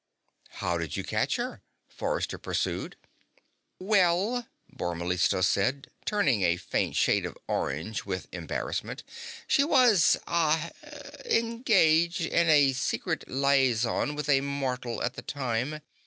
"How did you catch her?" Forrester pursued. "Well," Bor Mellistos said, turning a faint shade of orange with embarrassment, "she was ah engaged in a secret liaison with a mortal at the time.